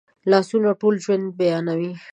لاسونه ټول ژوند بیانوي